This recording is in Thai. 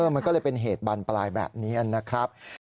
มันก็เลยเป็นเหตุบานปลายแบบนี้นะครับ